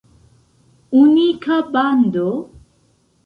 Unika bando?